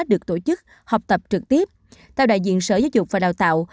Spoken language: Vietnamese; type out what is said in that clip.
được tổ chức học tập trực tiếp theo đại diện sở giáo dục và đào tạo